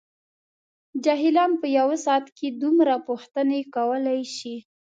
جاهلان په یوه ساعت کې دومره پوښتنې کولای شي.